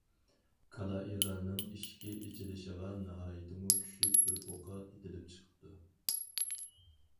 كالا ئېغىلىنىڭ ئىشىكى ئېچىلىشىغا ناھايىتىمۇ كۈچلۈك بىر بۇقا ئېتىلىپ چىقىپتۇ.